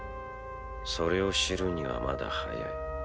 それを知るにはまだ早い。